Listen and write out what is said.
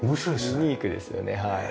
ユニークですよねはい。